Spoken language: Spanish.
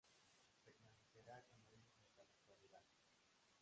Permanecerá con ellos hasta la actualidad.